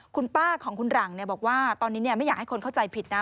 คุณป้าของคุณหลังบอกว่าตอนนี้ไม่อยากให้คนเข้าใจผิดนะ